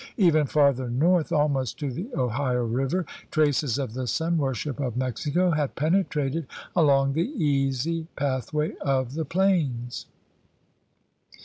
Even farther north, almost to the Ohio River, traces of the sun worship of Mexico had penetrated along the easy pathway of the plains.